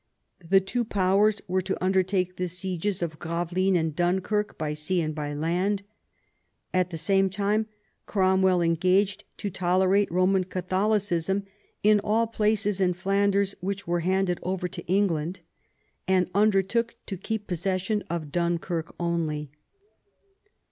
The two powers were to undertake the sieges of Gravelines and Dunkirk by sea and by land. At the same time Cromwell engaged to tolerate Koman Catholicism in all places in Flanders which were handed over to England, and undertook to keep possession of Dunkirk only.